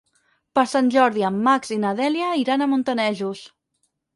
Per Sant Jordi en Max i na Dèlia iran a Montanejos.